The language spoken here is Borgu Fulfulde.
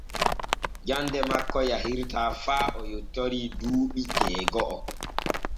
Jande makko yahirtaa faa o yottori duuɓi jeego’o.